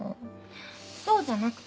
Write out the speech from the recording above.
そうじゃなくて。